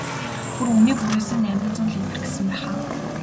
Бүр үнээ бүрээсээ найман зуун литр гэсэн байх аа?